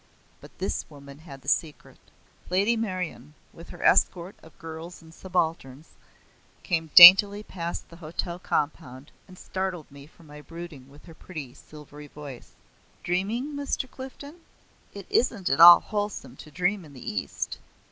But this woman had the secret. Lady Meryon, with her escort of girls and subalterns, came daintily past the hotel compound, and startled me from my brooding with her pretty silvery voice. "Dreaming, Mr. Clifden? It isn't at all wholesome to dream in the East.